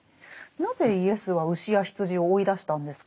なぜイエスは牛や羊を追い出したんですか？